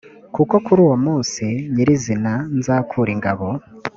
kuko kuri uwo munsi nyir izina nzakura ingabo